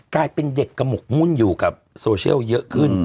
กลายเป็นเด็กกระหมกมุ่นอยู่กับโซเชียลเยอะขึ้น